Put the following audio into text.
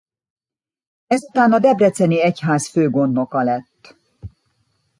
Ezután a debreceni egyház főgondnoka lett.